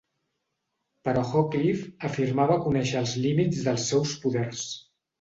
Però Hoccleve afirmava conèixer els límits dels seus poders.